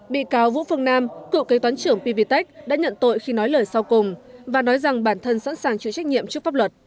bị cáo vũ phương nam cựu kế toán trưởng pvtec đã nhận tội khi nói lời sau cùng và nói rằng bản thân sẵn sàng chịu trách nhiệm trước pháp luật